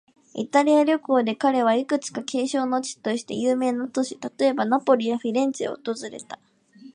イタリア旅行で彼は、いくつか景勝の地として有名な都市、例えば、ナポリやフィレンツェを訪れた。